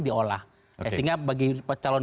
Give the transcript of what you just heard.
diolah sehingga bagi calon